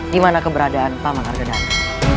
dimana keberadaan paman argadana